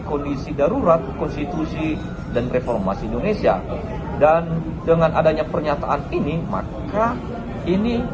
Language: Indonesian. kondisi darurat konstitusi dan reformasi indonesia dan dengan adanya pernyataan ini maka ini